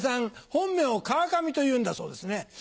本名を川上というんだそうですね。